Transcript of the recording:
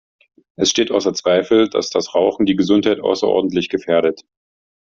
Es steht außer Zweifel, dass das Rauchen die Gesundheit außerordentlich gefährdet.